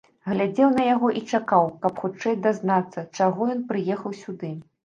Глядзеў на яго і чакаў, каб хутчэй дазнацца, чаго ён прыехаў сюды.